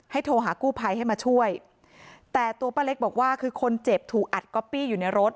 โทรหากู้ภัยให้มาช่วยแต่ตัวป้าเล็กบอกว่าคือคนเจ็บถูกอัดก๊อปปี้อยู่ในรถ